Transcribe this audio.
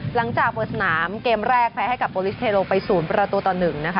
หลังจากเปิดสนามเกมแรกแพ้ให้กับโปรลิสเทโลไป๐ประตูต่อ๑นะคะ